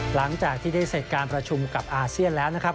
หลังจากที่ได้เสร็จการประชุมกับอาเซียนแล้วนะครับ